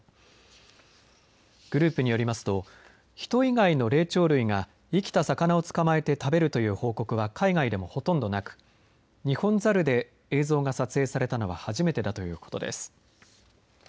グループによりますとヒト以外の霊長類が生きた魚を捕まえて食べるという報告は海外でもほとんどなくニホンザルで映像が撮影されたのは初めてだということです。